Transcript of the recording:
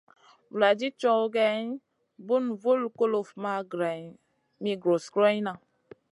Vuladid cow geyn, bun vul kuluf ma greyn mi gros goroyna.